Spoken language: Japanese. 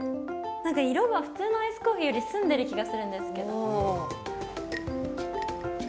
なんか色が普通のアイスコーヒーより澄んでる気がするんですけど。